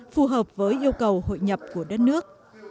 phù hợp với yêu cầu hội nhập của đất nước